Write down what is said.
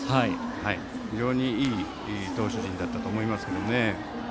非常にいい投手陣だったと思います。